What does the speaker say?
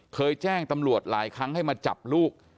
เคยแจ้งตำรวจหลายครั้งให้มาจับลูก